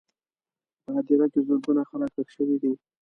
په هدیره کې زرګونه خلک ښخ شوي دي.